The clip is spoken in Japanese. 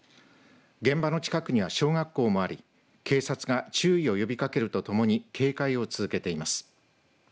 現場の近くには小学校もあり警察が注意を呼びかけるとともに警戒を続けています。